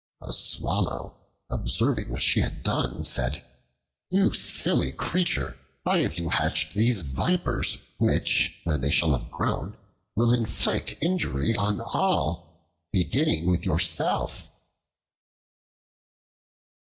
A Swallow, observing what she had done, said, "You silly creature! why have you hatched these vipers which, when they shall have grown, will inflict injury on all, beginning with yourself?"